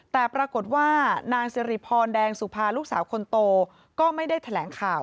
แต่ปรากฏว่านางสิริพรแดงสุภาลูกสาวคนโตก็ไม่ได้แถลงข่าว